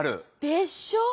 でしょ！